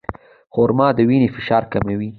خرما د وینې فشار کموي.